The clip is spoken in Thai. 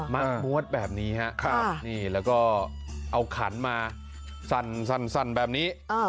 มาหมวดแบบนี้ฮะครับนี่แล้วก็เอาขันมาซันซันซันแบบนี้เออ